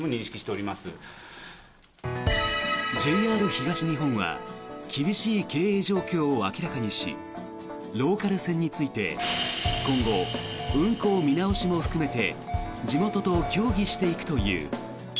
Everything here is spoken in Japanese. ＪＲ東日本は厳しい経営状況を明らかにしローカル線について今後、運行見直しも含めて地元と協議していくという。